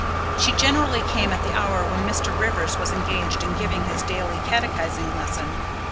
She generally came at the hour when Mr. Rivers was engaged in giving his daily catechising lesson.